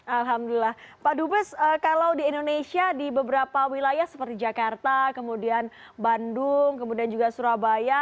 alhamdulillah pak dubes kalau di indonesia di beberapa wilayah seperti jakarta kemudian bandung kemudian juga surabaya